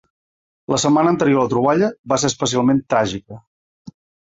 La setmana anterior a la troballa va ser especialment tràgica.